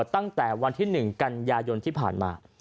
ตั้งแต่วันที่๑กันยายนที่ผ่านมา